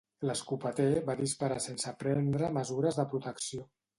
L'escopeter va disparar sense prendre mesures de protecció.